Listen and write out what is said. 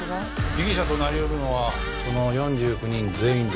被疑者となり得るのはその４９人全員です。